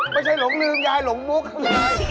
ไม่ใช่หลงลืมยายหลงมุกอะไร